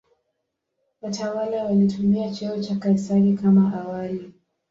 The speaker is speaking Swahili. Watawala walitumia cheo cha "Kaisari" kama awali.